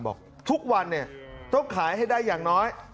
บอกทุกวันต้องขายให้ได้อย่างน้อย